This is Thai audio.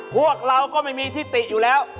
พวกเราก็ไม่มีทิติอยู่แล้ว